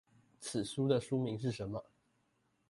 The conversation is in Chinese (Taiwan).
此書的書名是什麼？